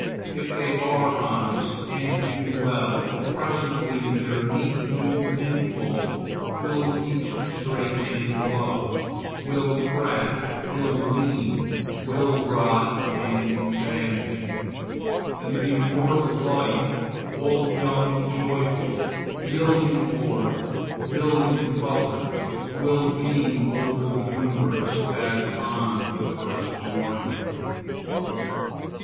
If they are honest and do well, presently their neat new pinfold will be too strait and low, will crack, will lean, will rot and vanish, and the immortal light, all young and joyful, million orbed, million colored, will beam over the universe as on the first morning.